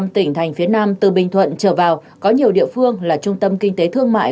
một mươi tỉnh thành phía nam từ bình thuận trở vào có nhiều địa phương là trung tâm kinh tế thương mại